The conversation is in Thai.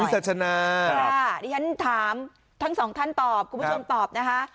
วิสัชนาทั้งสองท่านตอบคุณผู้ชมตอบนะคะ